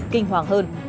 kinh hoàng hơn